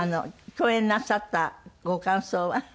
共演なさったご感想は？